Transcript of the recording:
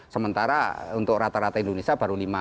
sementara untuk rata rata indonesia baru lima